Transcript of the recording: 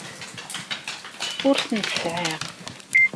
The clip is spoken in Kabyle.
Ur tent-sɛiɣ.